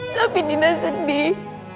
tapi dina sedih